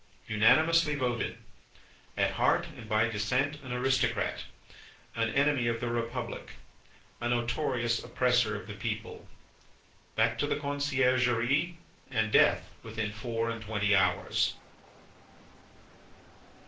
Unanimously voted. At heart and by descent an Aristocrat, an enemy of the Republic, a notorious oppressor of the People. Back to the Conciergerie, and Death within four and twenty hours!